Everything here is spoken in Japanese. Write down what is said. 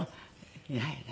いないね。